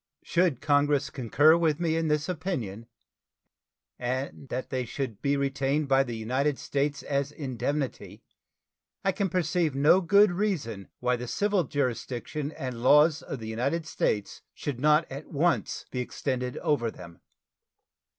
Should Congress concur with me in this opinion, and that they should be retained by the United States as indemnity, I can perceive no good reason why the civil jurisdiction and laws of the United States should not at once be extended over them.